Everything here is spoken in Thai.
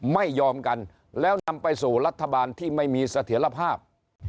ไม่ยอมกันแล้วนำไปสู่รัฐบาลที่ไม่มีเสถียรภาพ